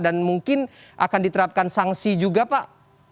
dan mungkin akan diterapkan sanksi juga pak